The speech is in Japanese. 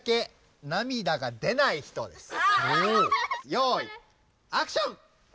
よいアクション！